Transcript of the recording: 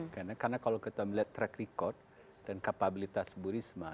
karena kalau kita melihat track record dan kapabilitas bu risma